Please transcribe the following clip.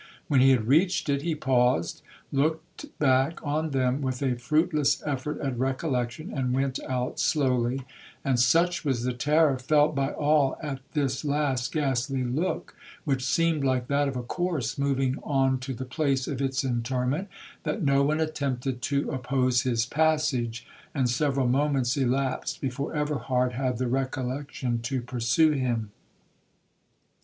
When he had reached it, he paused, looked back on them with a fruitless effort at recollection, and went out slowly;—and such was the terror felt by all at this last ghastly look, which seemed like that of a corse moving on to the place of its interment, that no one attempted to oppose his passage, and several moments elapsed before Everhard had the recollection to pursue him.